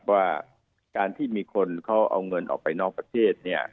ว่าการที่มีคนเขาเอาเงินออกไปนอกประเทศ